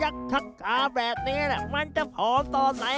เอาเขาจะหายขอ